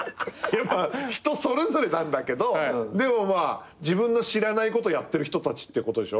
やっぱ人それぞれなんだけどでもまあ自分の知らないことやってる人たちってことでしょ？